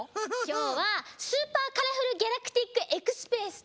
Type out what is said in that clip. きょうは「スーパーカラフルギャラクティックエクスプレス」と。